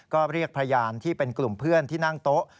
ก็เรียกพยานที่เป็นกลุ่มเพื่อนที่นั่งโต๊ะ